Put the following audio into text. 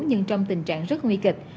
nhưng trong tình trạng rất nguy kịch